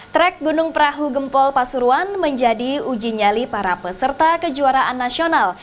trek gunung perahu gempol pasuruan menjadi uji nyali para peserta kejuaraan nasional